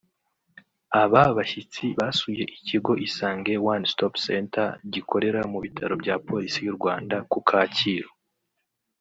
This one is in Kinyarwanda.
Aba bashyitsi basuye ikigo Isange one Stop Center gikorera mu bitaro bya Polisi y’u Rwanda ku Kacyiru